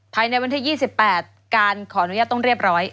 ภายในวันที่๒๘การขออนุญาตต้องเรียบร้อย